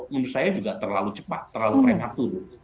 menurut saya juga terlalu cepat terlalu prematur